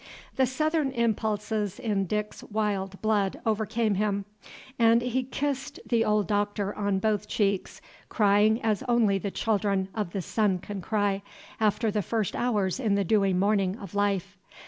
The Southern impulses in Dick's wild blood overcame him, and he kissed the old Doctor on both cheeks, crying as only the children of the sun can cry, after the first hours in the dewy morning of life.